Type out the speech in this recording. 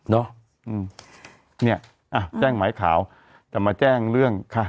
เนอะอ้าวแจ้งหมายข่าวจะมาแจ้งเรื่องค่ะ